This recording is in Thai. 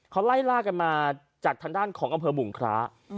เขาไล่ล่ากันมาจากทางด้านของอำเภอบุงคระ